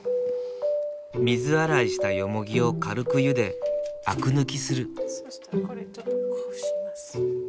水洗いしたよもぎを軽く茹であく抜きする。